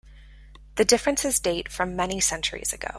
The differences date from many centuries ago.